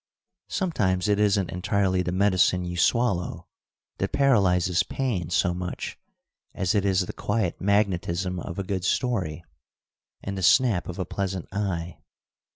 Sometimes it isn't entirely the medicine you swallow that paralyzes pain so much as it is the quiet magnetism of a good story and the snap of a pleasant eye.